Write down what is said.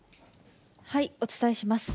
お伝えします。